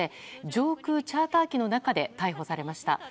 上空、チャーター機の中で逮捕されました。